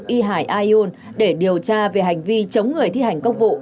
y hải ayun để điều tra về hành vi chống người thi hành công vụ